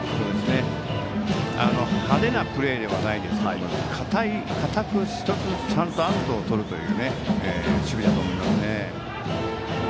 派手なプレーではないんですが堅く１つずつちゃんとアウトをとる守備だと思いますね。